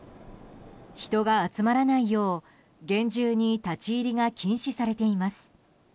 人が集まらないよう厳重に立ち入りが禁止されています。